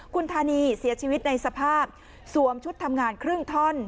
คุณธานีเสียชีวิตในสภาพสวมชุดทำงานครึ่งท่อน